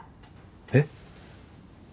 えっ？